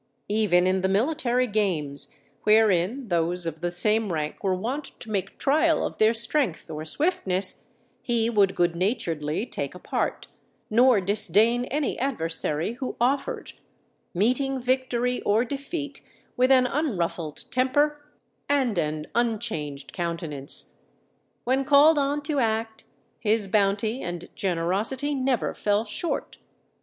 Even in the military games, wherein those of the same rank were wont to make trial of their strength or swiftness, he would good naturedly take a part, nor disdain any adversary who offered; meeting victory or defeat with an unruffled temper and an unchanged countenance. When called on to act, his bounty and generosity never fell short.